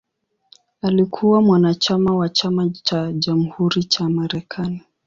Alikuwa mwanachama wa Chama cha Jamhuri cha Marekani.